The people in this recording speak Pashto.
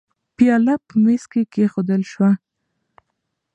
پیاله په مېز کې کېښودل شوه.